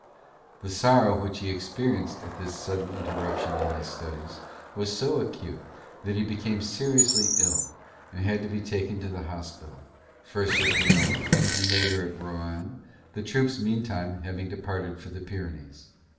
The sorrow which he experienced at this sudden interruption in his studies was so acute that he became seriously ill and had to be taken to the hospital, first at Lyons and later at Roanne, the troops meantime having departed for the Pyrenees.